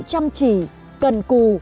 chăm chỉ cần cù